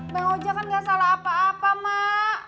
bang oja kan gak salah apa apa mak